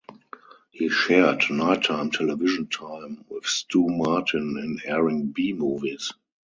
He shared night-time television time with Stu Martin in airing B movies.